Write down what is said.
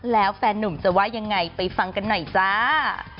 แล้วแฟนนุ่มจะว่ายังไงไปฟังกันหน่อยจ้า